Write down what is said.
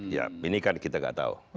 ya ini kan kita nggak tahu